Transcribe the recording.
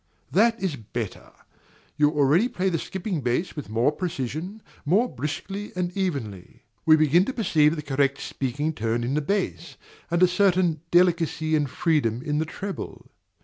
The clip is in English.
That is better: you already play the skipping bass with more precision, more briskly and evenly. We begin to perceive the correct speaking tone in the bass, and a certain delicacy and freedom in the treble.